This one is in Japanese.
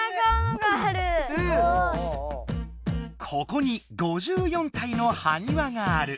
ここに５４体のはにわがある。